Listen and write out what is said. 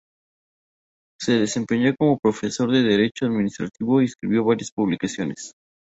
Se desempeñó como profesor de Derecho Administrativo, y escribió varias publicaciones.